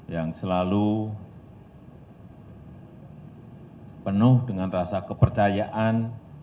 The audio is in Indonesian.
yang selalu penuh dengan rasa kepercayaan